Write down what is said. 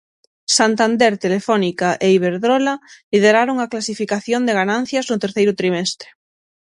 Santander, Telefónica e Iberdrola lideraron a clasificación de ganancias no terceiro trimestre.